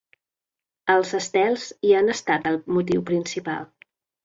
Els estels hi han estat el motiu principal.